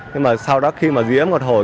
nhưng mà sau đó khi mà diễm một hồi